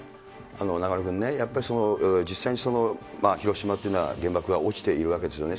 中丸君ね、やっぱりその実際に、その広島というのは原爆が落ちているわけですよね。